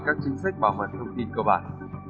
các chính sách bảo mật thông tin cơ bản